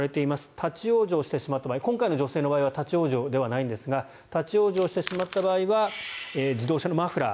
立ち往生した場合今回の女性の場合は立ち往生ではないんですが立ち往生してしまった場合は自動車のマフラー